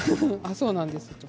そうなんです。